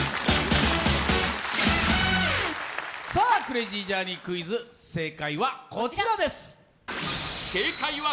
「ＮＯＮＩＯ」「クレイジージャーニー」クイズ、正解はこちらです。